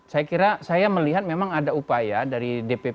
saya kira saya melihat memang ada upaya dari dpp